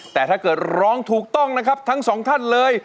แต่ถ้าเกิดร้องถูกต้องนะครับทั้งสองท่านเลย